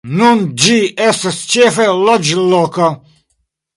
Nun ĝi estas ĉefe loĝloko.